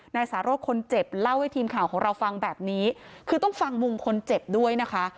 นายสารสคนเจ็บเล่าให้ทีมข่าวของเราฟังแบบนี้คือต้องฟังมุมคนเจ็บด้วยนะคะ